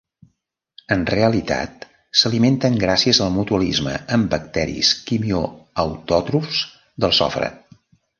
En realitat, s'alimenten gràcies al mutualisme amb bacteris quimioautòtrofs del sofre.